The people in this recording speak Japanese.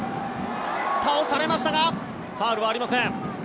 倒されましたがファウルはありません。